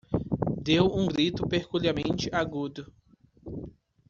Deu um grito peculiarmente agudo.